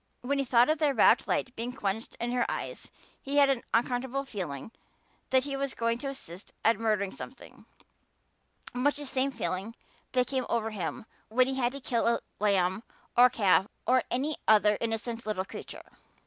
When he thought of that rapt light being quenched in her eyes he had an uncomfortable feeling that he was going to assist at murdering something much the same feeling that came over him when he had to kill a lamb or calf or any other innocent little creature.